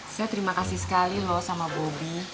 saya terima kasih sekali loh sama bobi